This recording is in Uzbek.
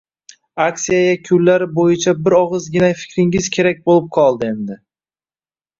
Aksiya yakunlari boʻyicha bir ogʻizgina fikringiz kerak boʻlib qoldi endi.